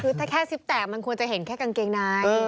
คือถ้าแค่ซิปแตกมันควรจะเห็นแค่กางเกงใน